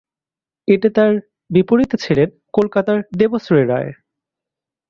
এতে তার বিপরীতে ছিলেন কলকাতার দেবশ্রী রায়।